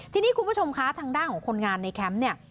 ทีนี้คุณผู้ชมคะทางด้านของคนงานในแคมป์เนี่ย